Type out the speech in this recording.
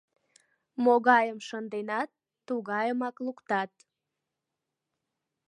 Могайым шынденат — тугайымак луктат.